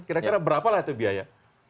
kira kira berapa lah itu biaya